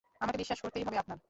আমাকে বিশ্বাস করতেই হবে আপনার।